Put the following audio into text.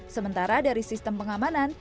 sementara dari sistem pengamanan